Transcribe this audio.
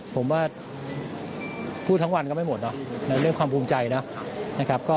ผมว่าพูดทั้งวันก็ไม่หมดนะเรื่องความภูมิใจนะ